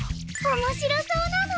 面白そうなの！